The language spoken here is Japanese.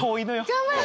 頑張れ！